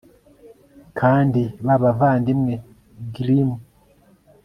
kandi bavandimwe grimm